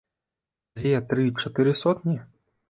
Дзве, тры, чатыры сотні?